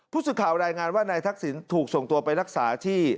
ผู้สื่อข่าวรายงานว่านายทักษิณถูกส่งตัวไปรักษาที่